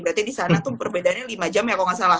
berarti di sana tuh perbedaannya lima jam ya kalau nggak salah